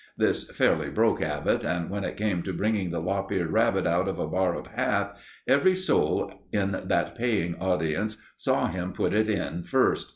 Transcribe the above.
This fairly broke Abbott, and when it came to bringing the lop eared rabbit out of a borrowed hat, every soul in that paying audience saw him put it in first.